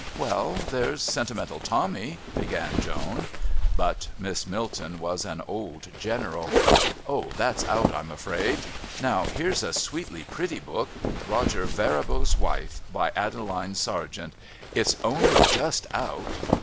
"Well, there's Sentimental Tommy," began Joan. But Miss Milton was an old general. "Oh, that's out, I'm afraid. Now, here's a sweetly pretty book Roger Varibrugh's Wife, by Adeline Sergeant. It'a only just out...."